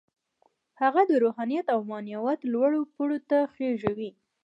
هغه د روحانيت او معنويت لوړو پوړيو ته خېژوي.